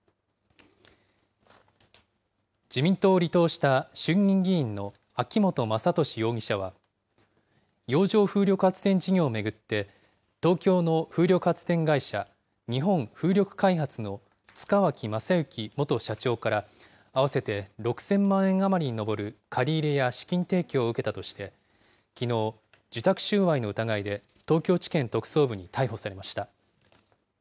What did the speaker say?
自民党を離党した衆議院議員の秋本真利容疑者は、洋上風力発電事業を巡って、東京の風力発電会社、日本風力開発の塚脇正幸元社長から、合わせて６０００万円余りに上る借り入れや資金提供を受けたとして、きのう、受託収賄の疑いで東京地検特捜部に逮捕されました。